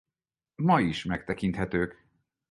Ma is megtekinthetők.